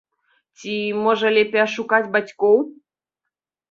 Ці, можа, лепей ашукаць бацькоў?